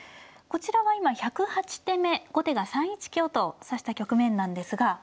こちらは今１０８手目後手が３一香と指した局面なんですが。